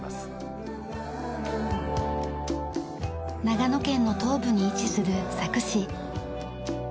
長野県の東部に位置する佐久市。